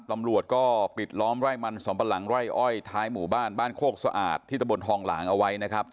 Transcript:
ตำรวจก็ปิดล้อมไร่มันสำปะหลังไร่อ้อยท้ายหมู่บ้านบ้านโคกสะอาดที่ตะบนทองหลางเอาไว้นะครับ